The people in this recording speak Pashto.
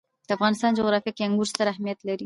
د افغانستان جغرافیه کې انګور ستر اهمیت لري.